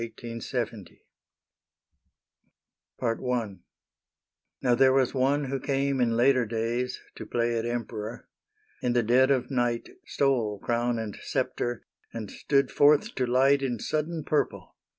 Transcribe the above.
THE LAST CAESAR 1851 1870 I Now there was one who came in later days To play at Emperor: in the dead of night Stole crown and sceptre, and stood forth to light In sudden purple.